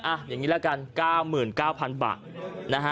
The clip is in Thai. อ่ะอย่างนี้ละกัน๙๙๐๐๐บาท